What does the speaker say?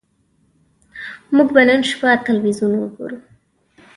موږ به نن شپه ټلویزیون وګورو